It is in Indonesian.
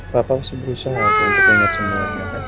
papa pasti berusaha untuk ingat semuanya